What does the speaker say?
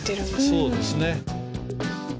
そうですね。